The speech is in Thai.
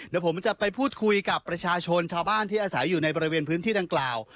เดี๋ยวผมจะไปพูดคุยกับประชาชนชาวบ้านที่อาศัยอยู่ในบริเวณพื้นที่ดังกล่าว